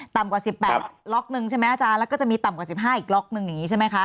กว่า๑๘ล็อกนึงใช่ไหมอาจารย์แล้วก็จะมีต่ำกว่า๑๕อีกล็อกนึงอย่างนี้ใช่ไหมคะ